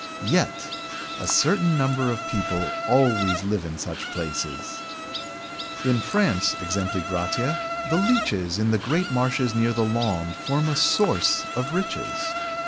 Yet a certain number of people always live in such places. In France, e.g., the leeches in the great marshes near the Landes form a source of riches.